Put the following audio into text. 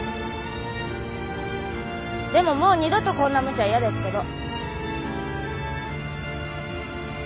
でももう二度とこんなむちゃ嫌ですけど。